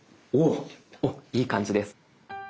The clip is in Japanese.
おいい感じです。